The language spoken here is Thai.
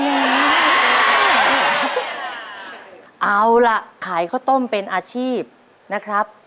เอาล่ะขายข้าวต้มเป็นอาชีพนะครับ